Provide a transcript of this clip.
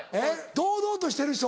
堂々としてる人？